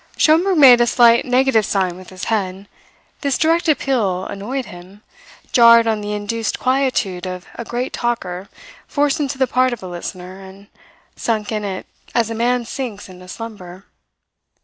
Schomberg made a slight negative sign with his head. This direct appeal annoyed him, jarred on the induced quietude of a great talker forced into the part of a listener and sunk in it as a man sinks into slumber.